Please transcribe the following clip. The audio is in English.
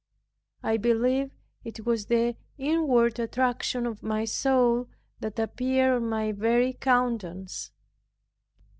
I believe it was the inward attraction of my soul that appeared on my very countenance.